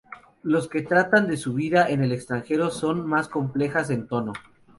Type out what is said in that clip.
Los que tratan de su vida en el extranjero son más complejas en tono.